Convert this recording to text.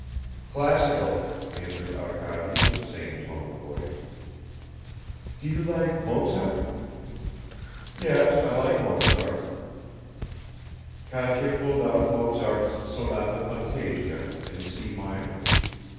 "Classical," answered Arkady in the same tone of voice. "Do you like Mozart?" "Yes, I like Mozart." Katya pulled out Mozart's Sonata Fantasia in C minor.